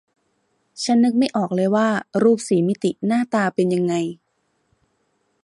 ฉันนึกไม่ออกเลยว่ารูปสี่มิติหน้าตาเป็นยังไง